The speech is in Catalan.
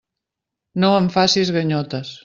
No em facis ganyotes.